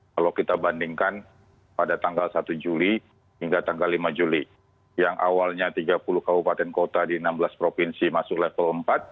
kalau kita bandingkan pada tanggal satu juli hingga tanggal lima juli yang awalnya tiga puluh kabupaten kota di enam belas provinsi masuk level empat